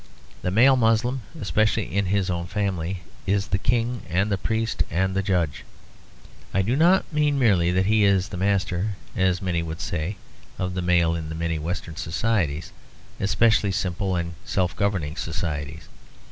The male Moslem, especially in his own family, is the king and the priest and the judge. I do not mean merely that he is the master, as many would say of the male in many Western societies, especially simple and self governing societies.